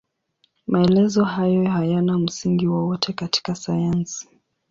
Maelezo hayo hayana msingi wowote katika sayansi.